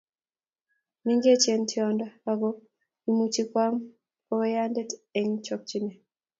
Mengechen toynde aku imuchi koam bakoyande eng' chokchine